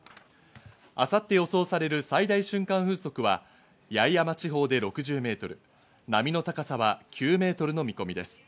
明後日予想される最大瞬間風速は、八重山地方で６０メートル、波の高さは９ｍの見込みです。